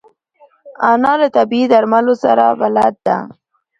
انا له طبیعي درملو سره بلد ده